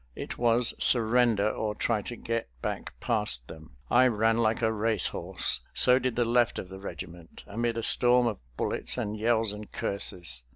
It was surrender or try to get back past them. I ran like a racehorse, so did the left of the regiment, amid a storm of bullets and yells and curses.